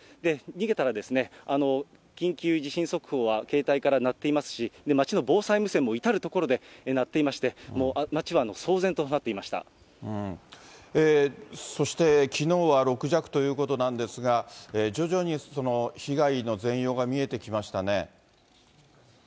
逃げたら、緊急地震速報は携帯から鳴っていますし、町の防災無線も至る所で鳴っていまして、町は騒然となっていましそして、きのうは６弱ということなんですが、徐々に被害の全容が見えてきましたね。